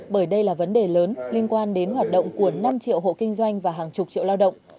bởi đây là vấn đề lớn liên quan đến hoạt động của năm triệu hộ kinh doanh và hàng chục triệu lao động